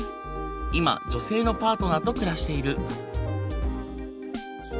今女性のパートナーと暮らしている。